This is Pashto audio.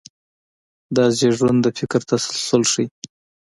دا زېږون د فکر تسلسل ښيي.